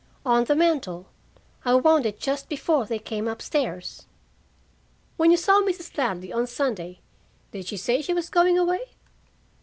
"On the mantel. I wound it just before they came up stairs." "When you saw Mrs. Ladley on Sunday, did she say she was going away?"